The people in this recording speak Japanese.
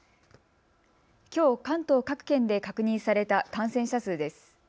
きょう関東各県で確認された感染者数です。